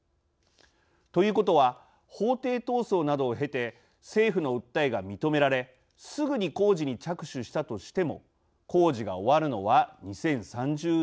ということは法廷闘争などを経て政府の訴えが認められすぐに工事に着手したとしても工事が終わるのは２０３０年代半ば。